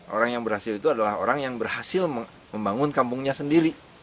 orang yang berhasil itu adalah orang yang berhasil membangun kampungnya sendiri